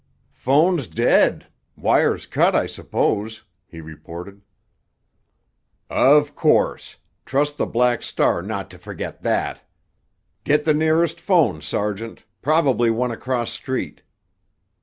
"Phone's dead! Wires cut, I suppose!" he reported. "Of course! Trust the Black Star not to forget that! Get the nearest phone, sergeant—probably one across street!"